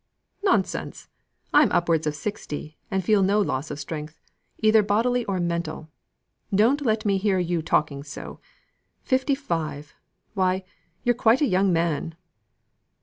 "Nonsense! I'm upwards of sixty, and feel no loss of strength, either bodily or mental. Don't let me hear you talking so. Fifty five! why, you're quite a young man."